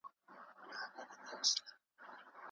الله تعالی قران کريم په عربي ژبه نازل کړی دی.